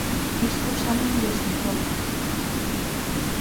Isto xa non lles importa.